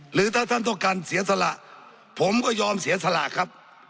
หรือถ้าท่านต้องการเสียสละผมก็ยอมเสียสละครับ